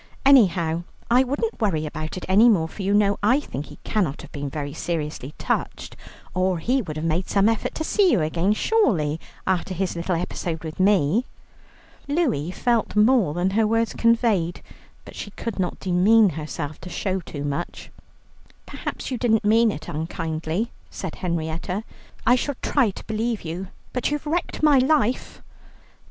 Anyhow I wouldn't worry about it any more, for you know I think he cannot have been very seriously touched, or he would have made some effort to see you again, surely, after his little episode with me." Louie felt more than her words conveyed, but she could not demean herself to show too much. "Perhaps you didn't mean it unkindly," said Henrietta; "I shall try to believe you, but you've wrecked my life."